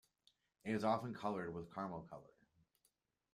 It is often colored with caramel color.